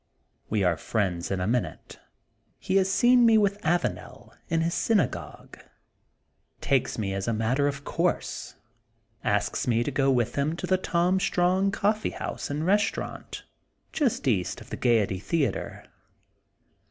We are friends in a minute. He has seen me with Avanel in his synagogue — takes me as a mat ter of course, asks me to go with him to the Tom Strong Coffee House and Restaurant, just east of the Gaiety Theatre.